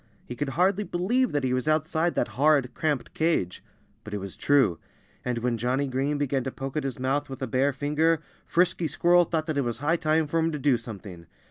He could hardly believe that he was outside that horrid, cramped cage. But it was true! And when Johnnie Green began to poke at his mouth with a bare finger Frisky Squirrel thought that it was high time for him to do something.